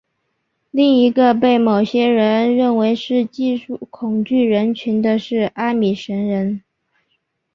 另一个被某些人认为是技术恐惧人群的是阿米什人。